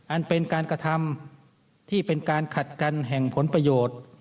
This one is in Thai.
อันเป็นการกระทำที่เป็นการขัดกันแห่งผลประโยชน์